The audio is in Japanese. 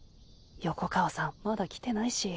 横川さんまだ来てないし。